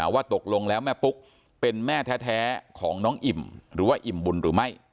ว่าตกลงแล้วแม่ปุ๊กเป็นแม่แท้ของน้องอิ่มหรือว่าอิ่มบุญหรือไม่